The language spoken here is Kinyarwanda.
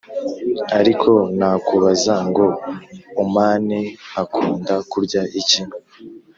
ariko nakubaza ngo omani akunda kurya iki ?